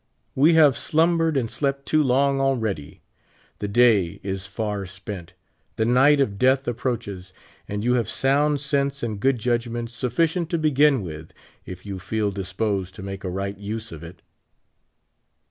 We have slumbered and slept too long alread}^ ; the day is far spent ; the night of death approaches ; and you have sound sense and good judgment sutficient to begin with, if you feel disposed to make a right use of it.